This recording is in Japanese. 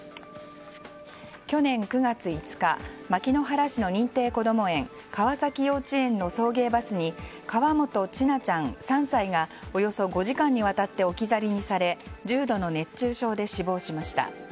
去年９月５日牧之原市の認定こども園川崎幼稚園の送迎バスに河本千奈ちゃん、３歳がおよそ５時間にわたって置き去りにされ重度の熱中症で死亡しました。